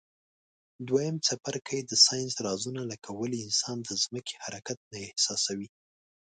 دویم څپرکی د ساینس رازونه لکه ولي انسان د ځمکي حرکت نه احساسوي.